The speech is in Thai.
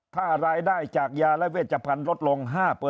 ถ้ารายได้จากยาและเวชพันธุ์ลดลง๕